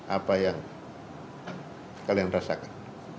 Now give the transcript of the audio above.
apa yang kalian rasakan